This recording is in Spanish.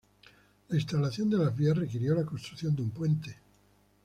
La instalación de las vías requirió la construcción de un puente.